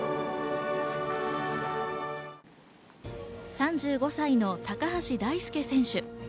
３５歳の高橋大輔選手。